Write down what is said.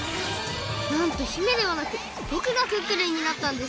なんと姫ではなくぼくがクックルンになったんです